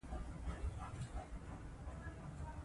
دې کابل په واټونو کې ښایسته لیکبڼي یا لوحی ولګیدي.